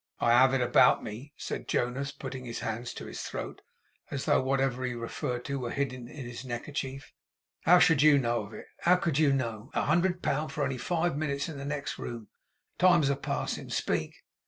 'I have it about me,' said Jonas, putting his hands to his throat, as though whatever he referred to were hidden in his neckerchief. 'How should you know of it? How could you know? A hundred pound for only five minutes in the next room! The time's passing. Speak!